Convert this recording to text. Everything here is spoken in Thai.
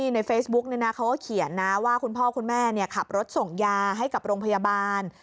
ในเฟซบุ๊กเขาก็เขียนนะว่าคุณพ่อคุณแม่ขับรถส่งยาให้กับโรงพยาบาล